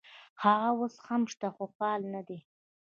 هغه اوس هم شته خو فعال نه دي.